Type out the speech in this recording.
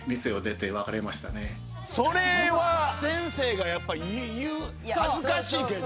それは先生がやっぱ言う恥ずかしいけど。